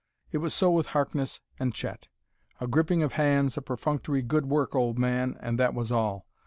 It was so with Harkness and Chet. A gripping of hands; a perfunctory, "Good work, old man!" and that was all.